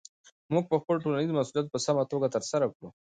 موږ به خپل ټولنیز مسؤلیت په سمه توګه ترسره کړو.